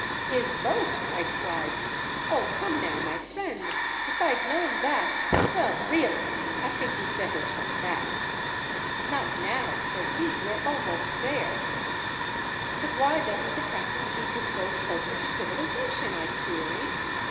_" "His boat?" I cried. "Oh, come now, my friend if I'd known that well, really, I think we'd better turn back." "Not now," said he. "We're almost there." "But why doesn't the captain keep his boat closer to civilization?" I queried.